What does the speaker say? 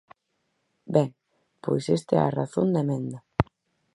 Ben, pois esta é a razón da emenda.